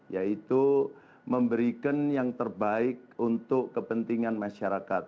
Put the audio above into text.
yaitu memberikan yang terbaik untuk kepentingan masyarakat